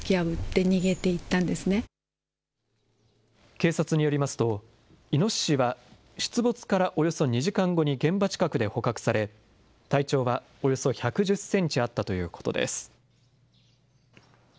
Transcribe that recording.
警察によりますと、イノシシは出没からおよそ２時間後に現場近くで捕獲され、体長はおよそ１１０センチあったということです。